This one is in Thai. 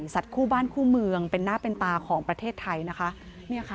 คู่บ้านคู่เมืองเป็นหน้าเป็นตาของประเทศไทยนะคะ